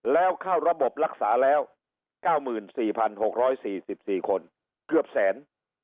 แล้วเข้าระบบรักษาแล้ว๙๔๖๔๔คนเกือบแสน